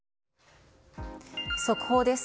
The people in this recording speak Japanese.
速報です。